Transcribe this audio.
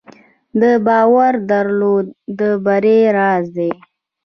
د باور درلودل د بری راز دی.